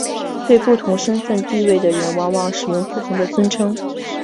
对不同身份地位的人往往使用不同的尊称。